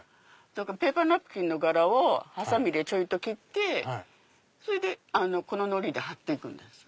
ペーパーナプキンの柄をハサミでちょいと切ってそれでこののりで貼って行くんです。